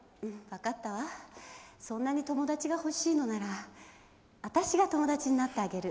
そんなに友達が欲しいのなら私が友達になってあげる。